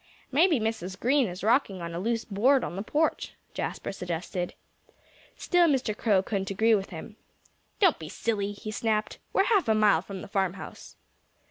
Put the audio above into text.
"Maybe Mrs. Green is rocking on a loose board on the porch," Jasper suggested. Still Mr. Crow couldn't agree with him. "Don't be silly!" he snapped. "We're half a mile from the farmhouse."